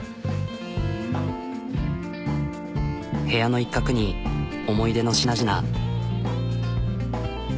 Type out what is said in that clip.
部屋の一角に思い出の品々。